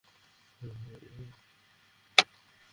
যাত্রীকে বসিয়েছি তো তাকে গন্তব্যে পৌঁছে না দিয়ে আমরা ফিরে আসি না।